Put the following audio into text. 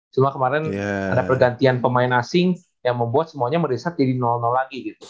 cuma kemarin ada pergantian pemain asing yang membuat semuanya merisak jadi lagi gitu